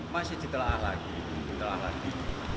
masih ditelaah lagi